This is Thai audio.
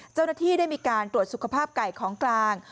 เจ้าหน้าที่ได้มีการตรวจสุขภาพไก่ของกลาง